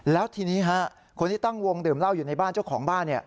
แล้วทีนี้คนที่ตั้งวงดื่มเหล้าอยู่ในบ้านเจ้าของบ้าน